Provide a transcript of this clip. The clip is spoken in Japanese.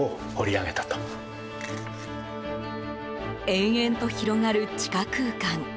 延々と広がる地下空間。